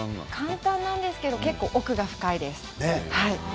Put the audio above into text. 簡単なんですけど奥が深いです。